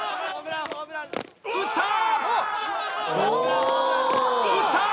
打った！